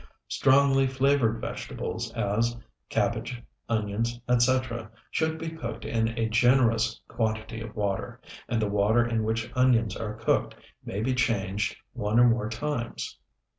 Strongly flavored vegetables, as cabbage, onions, etc., should be cooked in a generous quantity of water, and the water in which onions are cooked may be changed one or more times.